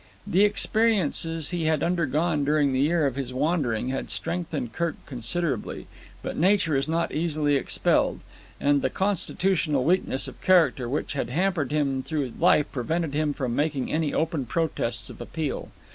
The experiences he had undergone during the year of his wandering had strengthened Kirk considerably, but nature is not easily expelled; and the constitutional weakness of character which had hampered him through life prevented him from making any open protests or appeal.